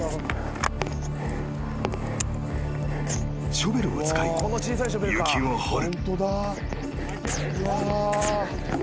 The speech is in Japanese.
［シャベルを使い雪を掘る］